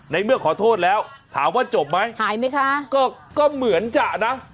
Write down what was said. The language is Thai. ในเมื่อขอโทษแล้วถามว่าจบไหมก็เหมือนจะนะ